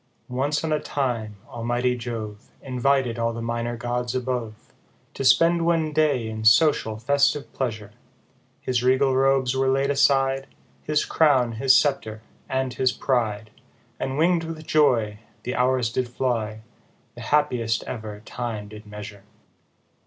ONCE on a time, almighty Jove Invited all the minor gods above, To spend one day in social festive pleasure ; His regal robes were laid aside, His crown, his sceptre, and his pride : And wing'd with joy, The hours did fly, The happiest ever time did measure.